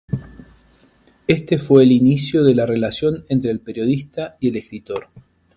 Este fue el inicio de la relación entre el periodista y el escritor.